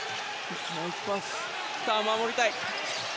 さあ、守りたい。